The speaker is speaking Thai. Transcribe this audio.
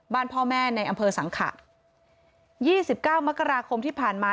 บ้านพ่อแม่ในอำเภอสังขะ๒๙มกราคมที่ผ่านมา